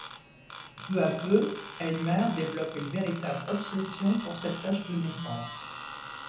Peu à peu, Aylmer développe une véritable obsession pour cette tache de naissance.